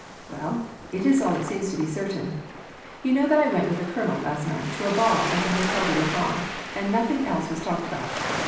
"Well, it is all that seems to be certain. You know that I went with the colonel, last night, to a ball at the Hotel de Rohan, and nothing else was talked about.